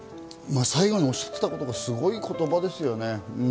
最後におしゃっていたことがすごいことですよね。